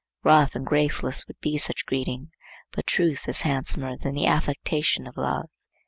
Rough and graceless would be such greeting, but truth is handsomer than the affectation of love.